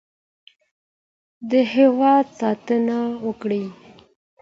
د هېواد ساتنه وکړئ.